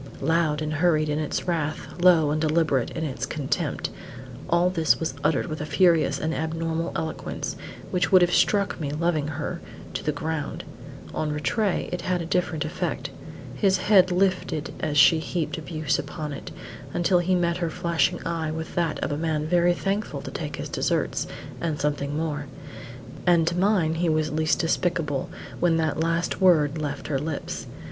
Loud and hurried in its wrath, low and deliberate in its contempt, all this was uttered with a furious and abnormal eloquence, which would have struck me, loving her, to the ground. On Rattray it had a different effect. His head lifted as she heaped abuse upon it, until he met her flashing eye with that of a man very thankful to take his deserts and something more; and to mine he was least despicable when that last word left her lips.